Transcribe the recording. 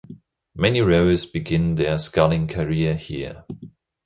Many rowers begin their sculling career here.